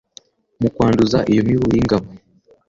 mu kwanduza iyo mibu y'ingabo